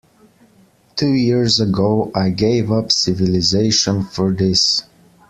Two years ago I gave up civilization for this.